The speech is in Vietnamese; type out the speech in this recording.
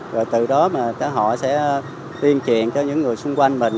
và từ đó mà họ sẽ tuyên truyền cho những người xung quanh mình